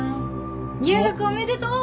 入学おめでとう！